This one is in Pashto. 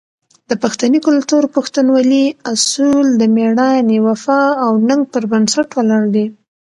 د پښتني کلتور "پښتونولي" اصول د مېړانې، وفا او ننګ پر بنسټ ولاړ دي.